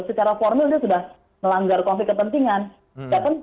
secara formil dia sudah melanggar konflik kepentingan